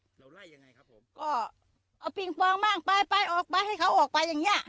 เราไล่ยังไงครับผมก็เอาปิงปองบ้างไปไปออกไปให้เขาออกไปอย่างเงี้ย